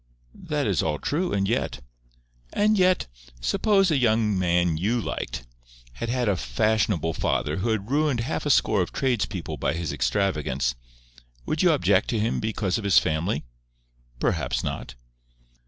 "That is all true, and yet—" "And yet, suppose a young man you liked had had a fashionable father who had ruined half a score of trades people by his extravagance—would you object to him because of his family?" "Perhaps not."